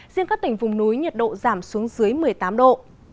riêng các tỉnh vùng núi nhiệt độ giảm xuống dưới một mươi tám độ